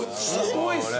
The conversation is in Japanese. すごいっすね。